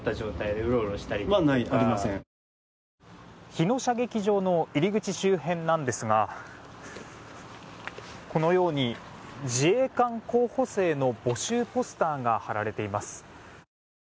日野射撃場の入り口周辺なんですがこのように自衛官候補生の募集ポスターが貼られています。